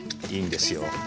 いいんですよ。